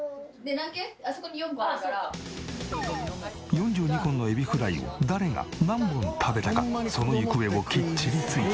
４２本のエビフライを誰が何本食べたかその行方をきっちり追及。